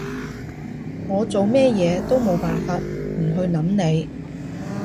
我做咩嘢都冇辦法唔去諗你